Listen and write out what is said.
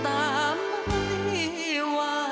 เจ้าพ่อก็จากลูกไปจากไปไม่เอ่ยคำลา